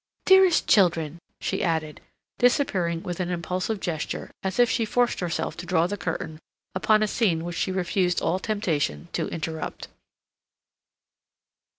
"Dearest children," she added, disappearing with an impulsive gesture, as if she forced herself to draw the curtain upon a scene which she refused all temptation to interrupt.